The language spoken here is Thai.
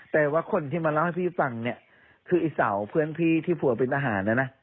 แต่ว่าคนที่มาเล่าให้พี่ฟังเนี่ยคือไอ้เสาเพื่อนพี่ที่ผัวเป็นอาหารนะนะ